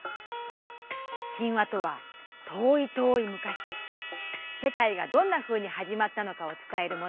神話とは遠い遠いむかしせかいがどんなふうにはじまったのかをつたえるもの